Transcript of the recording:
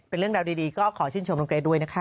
เป็นเรื่องราวดีก็ขอชื่นชมน้องเกรทด้วยนะคะ